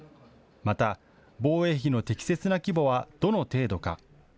また防衛費の適切な規模はどの程度か。